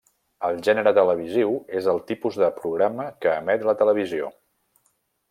El gènere televisiu és el tipus de programa que emet la televisió.